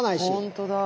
本当だ！